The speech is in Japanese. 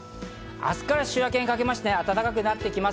明日から週明けにかけて暖かくなってきます。